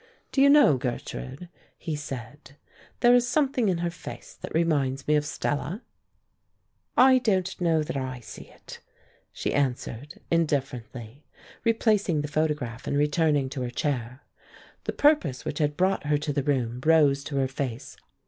"Do you know, Gertrude," he said, "there is something in her face that reminds me of Stella?" "I don't know that I see it," she answered, indifferently, replacing the photograph and returning to her chair. The purpose which had brought her to the room rose to her face.